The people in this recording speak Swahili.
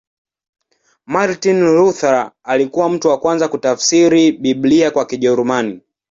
Martin Luther alikuwa mtu wa kwanza kutafsiri Biblia kwa Kijerumani.